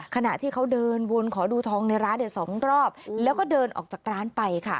ขณะที่เขาเดินวนขอดูทองในร้านสองรอบแล้วก็เดินออกจากร้านไปค่ะ